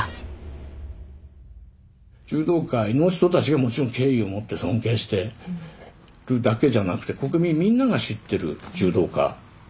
柔道界の人たちがもちろん敬意を持って尊敬してるだけじゃなくて国民みんなが知ってる柔道家ですよ。